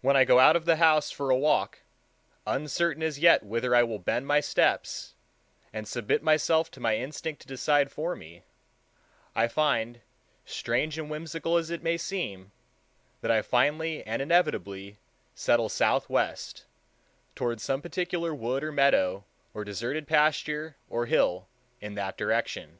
When I go out of the house for a walk, uncertain as yet whither I will bend my steps, and submit myself to my instinct to decide for me, I find, strange and whimsical as it may seem, that I finally and inevitably settle southwest, toward some particular wood or meadow or deserted pasture or hill in that direction.